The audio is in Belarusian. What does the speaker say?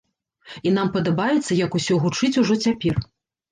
І нам падабаецца, як усё гучыць ужо цяпер.